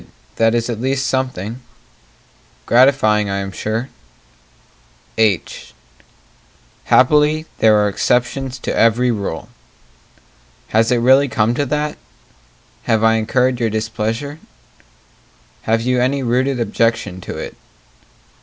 that is at least something Gratifying, I am sure H Happily there are exceptions to every rule Has it really come to that? Have I incurred your displeasure? Have you any rooted objection to it?